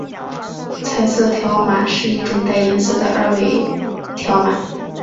彩色条码是一种带颜色的二维条码。